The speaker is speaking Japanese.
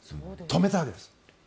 止めたわけです。